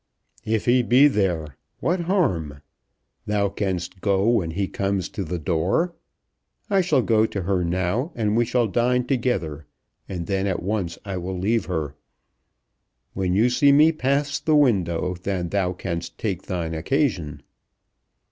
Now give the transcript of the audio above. "If he be there, what harm? Thou canst go when he comes to the door. I shall go to her now, and we shall dine together, and then at once I will leave her. When you see me pass the window then thou canst take thine occasion."